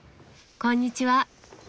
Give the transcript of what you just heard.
こんにちは。